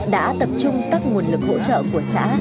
đã tập trung các nguồn lực hỗ trợ của xã